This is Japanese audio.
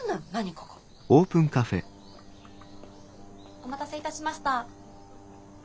お待たせいたしました。